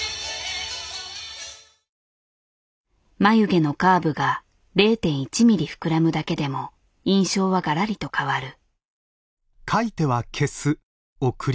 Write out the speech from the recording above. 眉毛のカーブが０．１ミリ膨らむだけでも印象はがらりと変わる。